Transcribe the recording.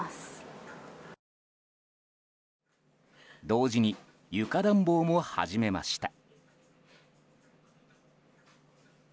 同時に床暖房も始めました。